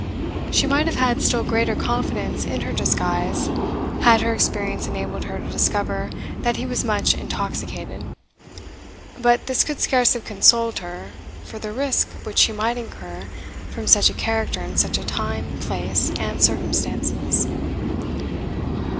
She might have had still greater confidence in her disguise had her experience enabled her to discover that he was much intoxicated; but this could scarce have consoled her for the risk which she might incur from such a character in such a time, place, and circumstances.